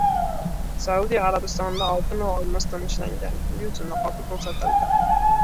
Saudiya Arabistonida oltin va olmosdan ishlangan yuz niqobi ko‘rsatildi